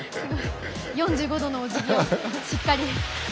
４５度のおじぎをしっかり。